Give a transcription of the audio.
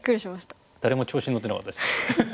誰も調子に乗ってなかったです。